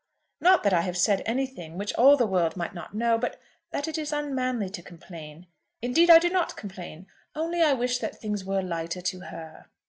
"Not that I have said anything which all the world might not know; but that it is unmanly to complain. Indeed I do not complain, only I wish that things were lighter to her."